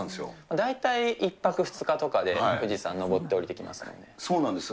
大体１泊２日とかで富士山登そうなんです。